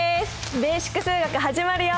「ベーシック数学」始まるよ。